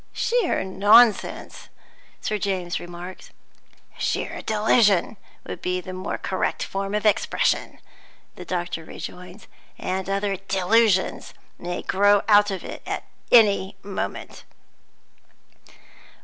"Sheer nonsense!" Sir James remarks. "Sheer delusion would be the more correct form of expression," the doctor rejoins. "And other delusions may grow out of it at any moment."